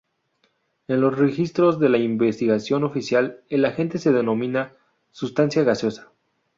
En los registros de la investigación oficial, el agente se denomina "sustancia gaseosa".